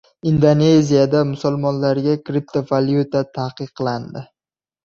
Indoneziyada musulmonlarga kriptopvalyuta taqiqlandi